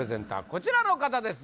こちらの方です